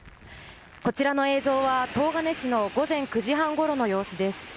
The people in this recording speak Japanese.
こちらの映像は東金市の午前９時半ごろの様子です。